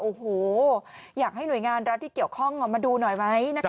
โอ้โหอยากให้หน่วยงานรัฐที่เกี่ยวข้องมาดูหน่อยไหมนะคะ